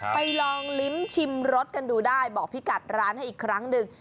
ไปลองลิ้มชิมรสกันดูได้บอกพี่กัดร้านให้อีกครั้งหนึ่ง